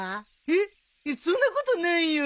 えっそんなことないよ。